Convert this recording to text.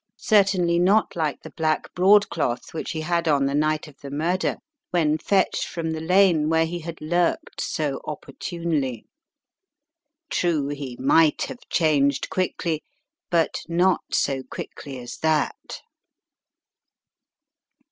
Certainly not like the black broadcloth which he had on the night of the murder when fetched from the lane where he had lurked so opportunely. True, he might have changed quickly, but not so quickly as that.